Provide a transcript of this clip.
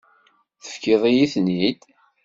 Tefkiḍ-iyi-ten-id.